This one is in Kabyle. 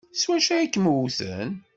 S wacu ay kem-wten?